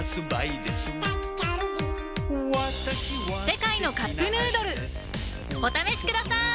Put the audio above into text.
「世界のカップヌードル」お試しください！